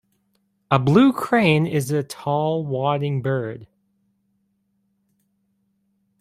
A blue crane is a tall wading bird.